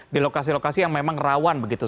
di lokasi lokasi yang memang rawan begitu